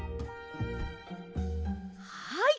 はい！